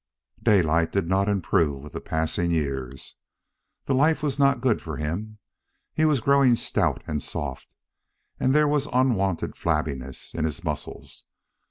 Daylight did not improve with the passing years. The life was not good for him. He was growing stout and soft, and there was unwonted flabbiness in his muscles.